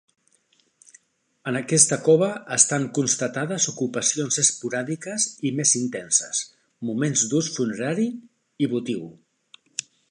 En aquesta cova estan constatades ocupacions esporàdiques i més intenses, moments d'ús funerari i votiu.